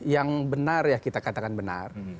yang benar ya kita katakan benar